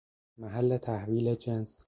محل تحویل جنس